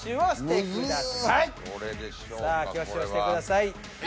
さあ挙手をしてください。